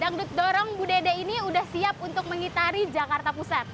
ya dangdut dorong budede ini sudah siap untuk mengitari jakarta pusat